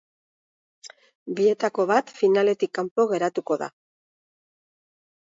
Bietako bat finaletik kanpo geratuko da.